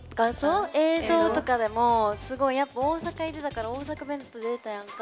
映像とかでもすごいやっぱ大阪いてたから大阪弁、ちょっと出てたやんか。